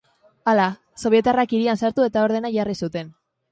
Hala, sobietarrak hirian sartu eta ordena jarri zuten.